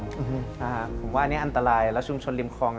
ผมว่าอันนี้อันตรายแล้วชุมชนริมคลอง